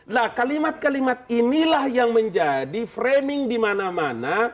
nah kalimat kalimat inilah yang menjadi framing di mana mana